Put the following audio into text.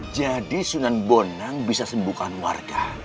jadi sunan bonang bisa sembuhkan warga